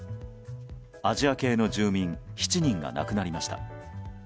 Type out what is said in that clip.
アジア系の住民７人が亡くなりました。